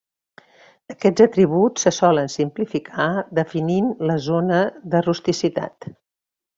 Aquests atributs se solen simplificar definint la zona de rusticitat.